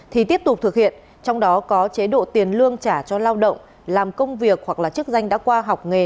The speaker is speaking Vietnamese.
thì tiếp tục thực hiện trong đó có chế độ tiền lương trả cho lao động làm công việc hoặc là chức danh đã qua học nghề